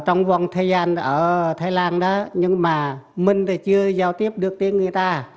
trong vòng thời gian ở thái lan đó nhưng mà mình thì chưa giao tiếp được đến người ta